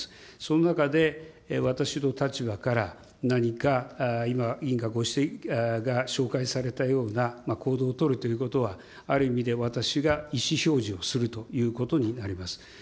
その中で、私の立場から何か今、委員が紹介されたような行動を取るということは、ある意味で私が意思表示をするということになります。